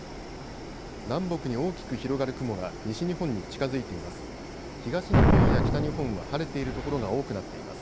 南北に大きく広がる雲が西日本に近づいています。